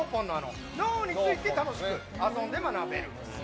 脳について楽しく遊んで学べる。